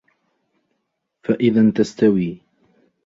فَإِذَنْ تَسْتَوِي